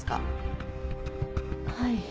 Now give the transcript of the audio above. はい。